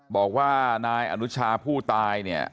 บอกว่านายอนุชาผู้ตายเนี่ย